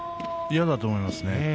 嫌だと思います。